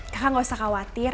kakak gak usah khawatir